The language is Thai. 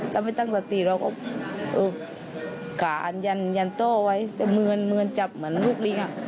ถ้าไม่ตั้งสติเราก็กะอันยันยันโต้ไว้แต่เหมือนจับเหมือนลูกลิง